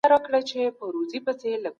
په ځمکه اوږد وغځیږه او سترګې پټې کړه.